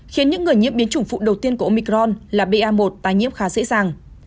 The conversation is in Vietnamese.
khiến những người nhiễm biến chủng phụ đầu tiên của omicron là ba một tái nhiễm khá dễ dàng